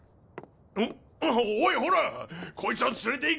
おおいほらこいつを連れていけ！